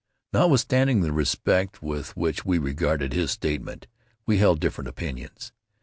Notwithstanding the respect with which we regarded his statement we held different opinions.